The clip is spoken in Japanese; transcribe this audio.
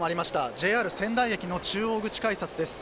ＪＲ仙台駅の中央口改札です。